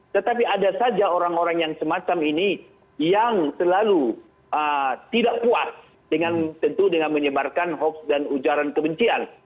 tetapi ada saja orang orang yang semacam ini yang selalu tidak puas tentu dengan menyebarkan hoax dan ujaran kebencian